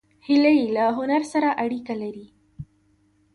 هیلۍ له هنر سره اړیکه لري